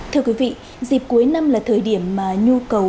thưa quý vị dịp cuối năm là thời điểm mà nhu cầu